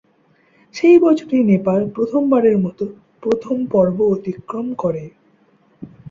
সেই বছরই নেপাল প্রথমবারের মত প্রথম পর্ব অতিক্রম করে।